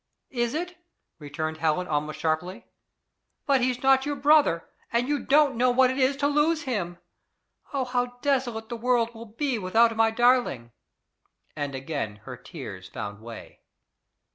"Is it?" returned Helen almost sharply. " But he's not your brother, and you don't know what it is to lose him! Oh, how desolate the world will be without my darling!" And again her tears found way.